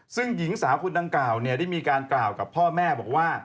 ซึ่งหญิงสาวคนดังกล่าวได้มีการกล่าวกับพ่อแม่บอกว่า